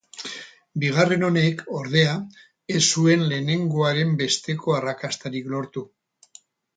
Bigarren honek, ordea, ez zuen lehenengoaren besteko arrakastarik lortu.